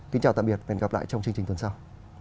kính chào tạm biệt và hẹn gặp lại trong chương trình tuần sau